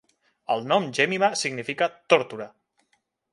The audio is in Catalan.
El nom Jemima significa "tórtora".